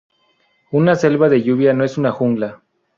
Una selva de lluvia no es una "jungla".